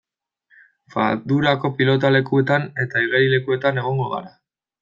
Fadurako pilotalekuetan eta igerilekuetan egongo gara.